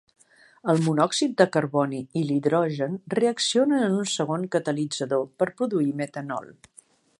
El monòxid de carboni i l'hidrogen reaccionen en un segon catalitzador per produir metanol.